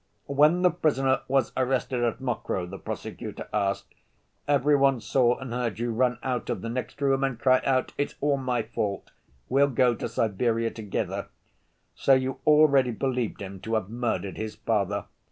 "When the prisoner was arrested at Mokroe," the prosecutor asked, "every one saw and heard you run out of the next room and cry out: 'It's all my fault. We'll go to Siberia together!' So you already believed him to have murdered his father?"